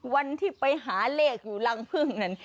วันที่ไปหาเลขอยู่รังพึ่งนั้น